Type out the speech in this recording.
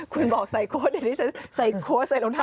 คุณบอกใส่โค้ดเดี๋ยวจะใส่โค้ดใส่ลงทางพุทร